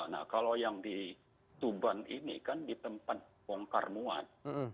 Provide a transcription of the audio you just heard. nah kalau yang di tuban ini kan di tempat bongkar muat